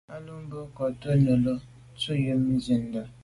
À lo mbe nkôg à to’ nelo’ yub ntum yi ntshundà.